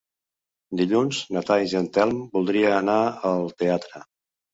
Dilluns na Thaís i en Telm voldria anar al teatre.